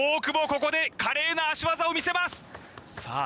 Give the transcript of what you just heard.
ここで華麗な足技を見せますさあ